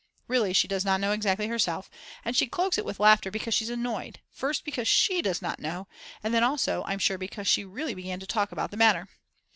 Really she does not know exactly herself, and she cloaks it with laughter because she's annoyed, first because she does not know, and then also I'm sure because she really began to talk about the matter.